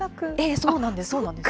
そうなんです。